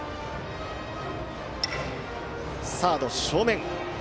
サードの正面。